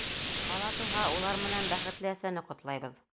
Бала тыуһа, улар менән бәхетле әсәне ҡотлайбыҙ.